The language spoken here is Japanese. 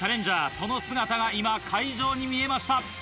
その姿が今会場に見えました。